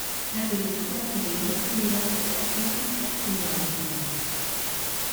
La película fue bien recibida por la crítica y la audiencia.